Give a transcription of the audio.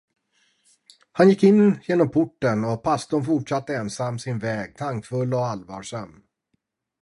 Han gick in genom porten och pastorn fortsatte ensam sin väg, tankfull och allvarsam.